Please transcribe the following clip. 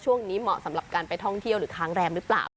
เหมาะสำหรับการไปท่องเที่ยวหรือค้างแรมหรือเปล่า